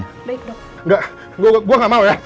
nggak gua gak mau ya